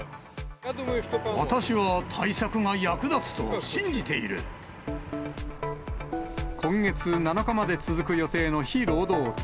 私は対策が役立つと信じてい今月７日まで続く予定の非労働日。